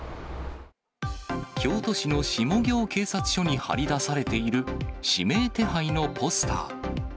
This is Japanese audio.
京都市の下京警察署に張り出されている指名手配のポスター。